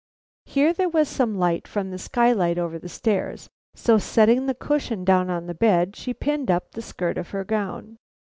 Here there was some light from the skylight over the stairs, so setting the cushion down on the bed, she pinned up the skirt of her gown.